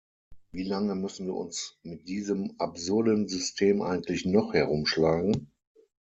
Wie lange müssen wir uns mit diesem absurden System eigentlich noch herumschlagen?